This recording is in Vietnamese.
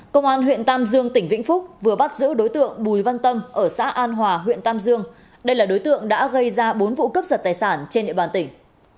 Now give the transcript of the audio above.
công an huyện tam dương tỉnh vĩnh phúc vừa bắt giữ đối tượng bùi văn tâm ở xã an hòa huyện tam dương đây là đối tượng đã gây ra bốn vụ cướp giật tài sản trên địa bàn tỉnh